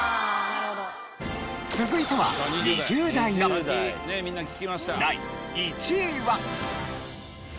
続いては２０代の第１位は。